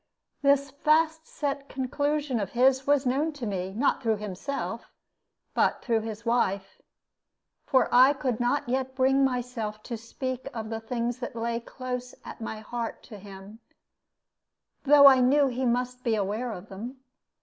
This fast set conclusion of his was known to me not through himself, but through his wife. For I could not yet bring myself to speak of the things that lay close at my heart to him, though I knew that he must be aware of them.